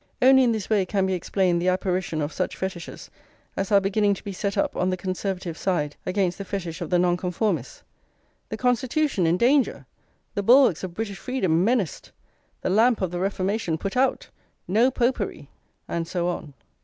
Only in this way can be explained the apparition of such fetishes as are beginning to be set up on the Conservative side against the fetish of the Nonconformists: The Constitution in danger! The bulwarks of British freedom menaced! The lamp of the Reformation put out! No Popery! and so on.